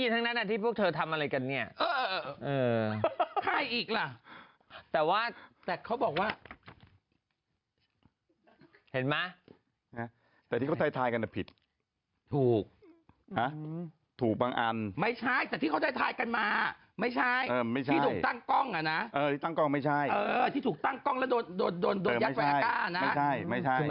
สุดมาปั่นฉันอีกแล้วปั่นว่าพระเอกโดนไว้อากาศแล้วโดนตั้งกล้องว่ะ